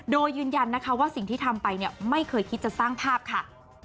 โดยยืนยันนะคะว่าสิ่งที่ทำไปเนี่ยไม่เคยคิดจะสร้างภาพค่ะ